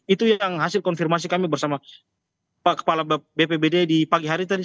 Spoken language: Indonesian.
itu yang hasil konfirmasi kami bersama pak kepala bpbd di pagi hari tadi